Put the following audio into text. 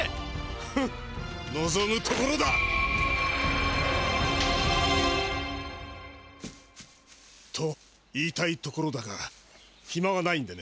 フンのぞむところだ！と言いたいところだがひまはないんでね。